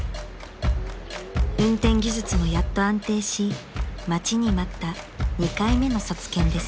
［運転技術もやっと安定し待ちに待った２回目の卒検です］